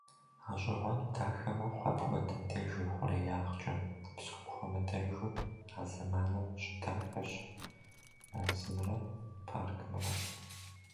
Гъащӏэгъуэну дахэ мэхъу апхуэдэм деж ихъуреягъкӏэ, псом хуэмыдэжу, а зэманым щыдахэщ мэзымрэ паркымрэ.